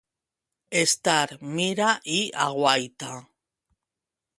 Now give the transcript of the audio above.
Estar mira i aguaita.